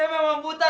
saya memang buta